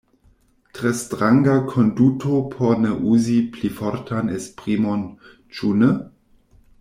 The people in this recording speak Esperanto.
Tre stranga konduto por ne uzi pli fortan esprimon ĉu ne?